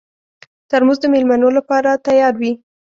ترموز د مېلمنو لپاره تیار وي.